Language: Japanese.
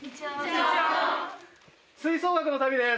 吹奏楽の旅です。